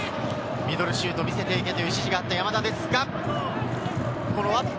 ミドルシュートを見せていけという指示があった山田です。